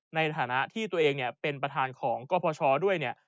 ในฐานะที่ตัวเองเนี่ยเป็นประธานของกพชด้วยเนี่ย